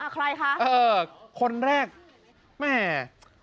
ใครคะคนแรกแม่